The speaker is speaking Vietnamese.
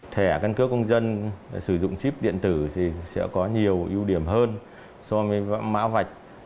thẻ căn cước công dân sử dụng chip điện tử thì sẽ có nhiều ưu điểm hơn so với mã vạch